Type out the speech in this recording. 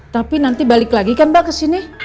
tapi nanti balik lagi kan mbak kesini